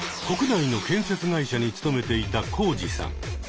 国内の建設会社に勤めていたコウジさん。